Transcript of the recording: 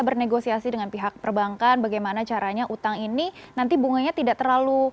bernegosiasi dengan pihak perbankan bagaimana caranya utang ini nanti bunganya tidak terlalu